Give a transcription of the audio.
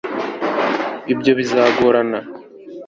ibyo bizagorana